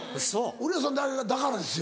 古谷さんだからですよ。